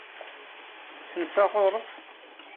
Tensa ɣur-s?